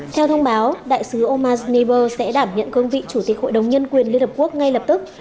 theo thông báo đại sứ omar sniber sẽ đảm nhận cương vị chủ tịch hội đồng nhân quyền liên hợp quốc ngay lập tức